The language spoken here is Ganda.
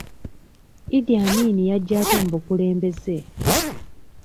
Idi Amin yajja atya mu bukulembeze?